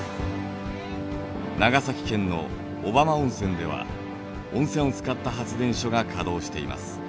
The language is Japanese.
長崎県の小浜温泉では温泉を使った発電所が稼働しています。